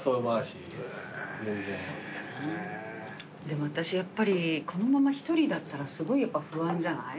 でも私やっぱりこのまま一人だったらすごいやっぱ不安じゃない？